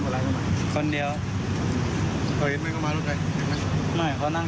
มีใครอยู่บ้าง